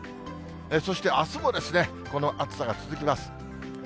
そして、あすもこの暑さが続きます。